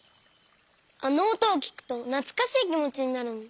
あのおとをきくとなつかしいきもちになるんだ。